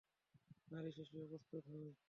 নারী-শিশুও প্রস্তুত হয়।